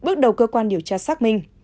bước đầu cơ quan điều tra xác minh